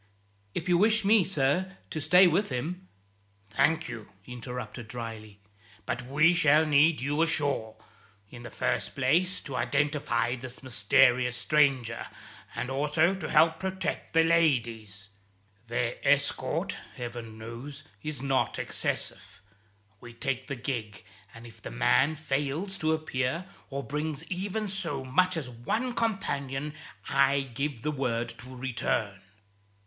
"If you wish me, sir, to stay with him " "Thank you," he interrupted dryly, "but we shall need you ashore; in the first place to indentify this mysterious stranger, and also to help protect the ladies. Their escort, Heaven knows, is not excessive. We take the gig, and if the man fails to appear, or brings even so much as one companion, I give the word to return."